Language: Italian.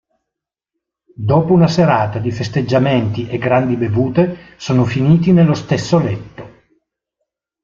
Dopo una serata di festeggiamenti e grandi bevute sono finiti nello stesso letto.